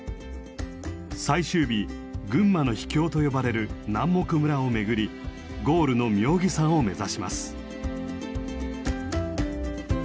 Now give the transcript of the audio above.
最終日群馬の秘境と呼ばれる南牧村を巡りゴールの妙義山を目指します。